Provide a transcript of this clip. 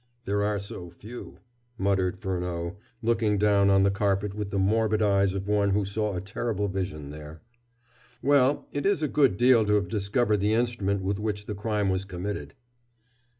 "There are so few," muttered Furneaux, looking down on the carpet with the morbid eyes of one who saw a terrible vision there. "Well, it is a good deal to have discovered the instrument with which the crime was committed."